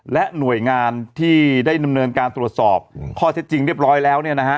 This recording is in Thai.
และหน่วยงานที่ได้ดำเนินการตรวจสอบข้อเท็จจริงเรียบร้อยแล้ว